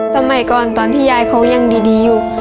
สมัยก่อนตอนที่ยายเขายังดีอยู่